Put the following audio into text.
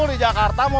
ajak gua saja